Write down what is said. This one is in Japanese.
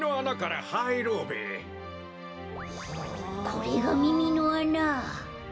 これがみみのあな。